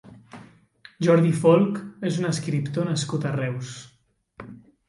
Jordi Folck és un escriptor nascut a Reus.